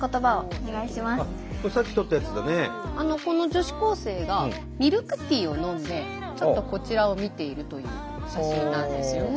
この女子高生がミルクティーを飲んでちょっとこちらを見ているという写真なんですよね。